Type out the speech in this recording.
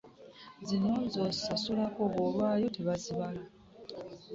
Zino z'osasulako bw'olwayo tebazibala.